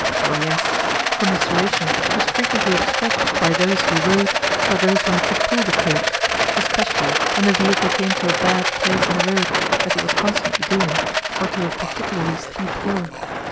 Oh, yes; commiseration was frequently expressed by those who rode for those who had to pull the coach, especially when the vehicle came to a bad place in the road, as it was constantly doing, or to a particularly steep hill.